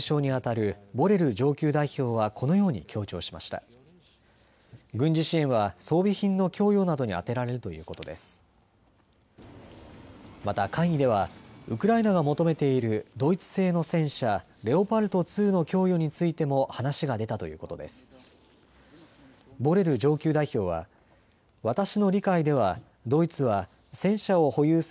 また会議ではウクライナが求めているドイツ製の戦車、レオパルト２の供与についても話が出たということです。